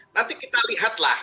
nanti kita lihatlah